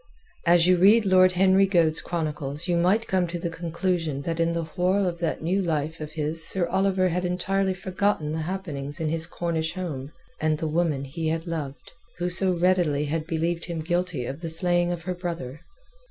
As you read Lord Henry Goade's chronicles you might come to the conclusion that in the whorl of that new life of his Sir Oliver had entirely forgotten the happenings in his Cornish home and the woman he had loved, who so readily had believed him guilty of the slaying of her brother.